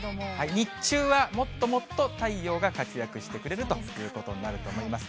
日中はもっともっと太陽が活躍してくれるということになると思います。